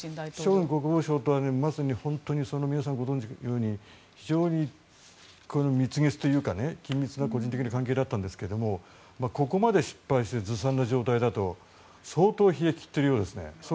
ショイグ国防相とは皆さんご存じのように非常に蜜月というか緊密な関係だったんですがここまで失敗してずさんな状態だと相当冷え切ってるようですね。